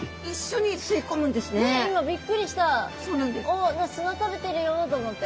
お砂食べてるよと思って。